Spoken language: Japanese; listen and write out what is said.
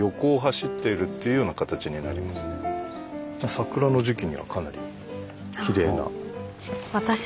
桜の時期にはかなりきれいな。